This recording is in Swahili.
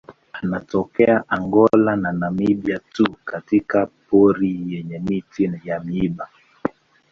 Anatokea Angola na Namibia tu katika pori yenye miti ya miiba.